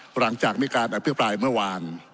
หลังจากมีการอภิปรายเมื่อวาน